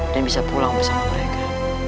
bisa pulang bersama mereka